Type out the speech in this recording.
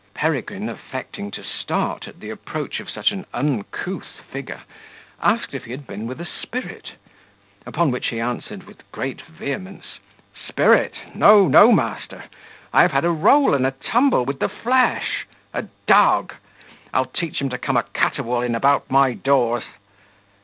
Peregrine, affecting to start at the approach of such an uncouth figure, asked if he had been with a spirit; upon which he answered, with great vehemence, "Spirit! No, no, master, I have had a roll and tumble with the flesh. A dog. I'll teach him to come a caterwauling about my doors."